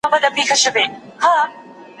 تاسي کولای شئ خپل موبایل بند کړئ.